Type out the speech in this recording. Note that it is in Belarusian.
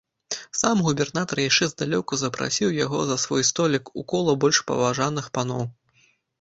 Сам губернатар яшчэ здалёку запрасіў яго за свой столік, у кола больш паважаных паноў.